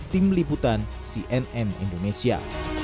tim liputan cnn indonesia